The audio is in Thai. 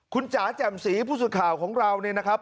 คุณจ๋าแจ่มสีผู้สื่อข่าวของเราเนี่ยนะครับ